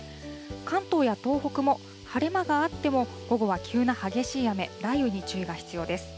関東や東北も晴れ間があっても、午後は急な激しい雨、雷雨に注意が必要です。